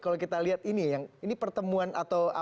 kalau kita lihat ini pertemuan atau